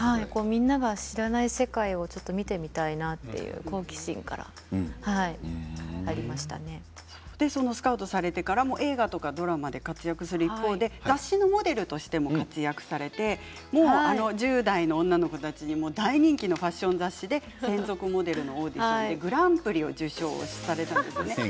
皆さん知らない世界を見てみたいなという好奇心からスカウトされてからも映画やドラマで活躍する一方で雑誌のモデルとして活躍をされて１０代の女の子たちに大人気のファッション雑誌で専属モデルのオーディションでグランプリを受賞されたんですよね。